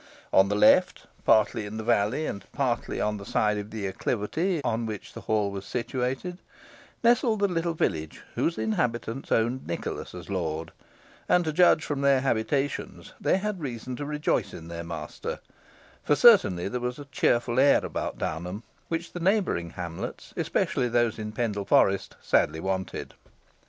On the left, partly in the valley, and partly on the side of the acclivity on which the hall was situated, nestled the little village whose inhabitants owned Nicholas as lord; and, to judge from their habitations, they had reason to rejoice in their master; for certainly there was a cheerful air about Downham which the neighbouring hamlets, especially those in Pendle Forest, sadly wanted.